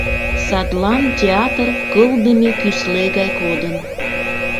Садлан театр кылдыме кӱсле гай кодын.